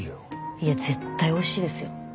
いや絶対おいしいですよ。